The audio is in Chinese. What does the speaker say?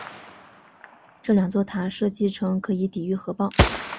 这两座塔设计成可以抵御核爆。